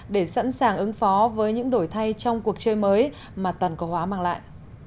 để sẵn sàng ứng phó với những đổi thay trong cuộc chơi mới mà toàn cầu hóa mang lại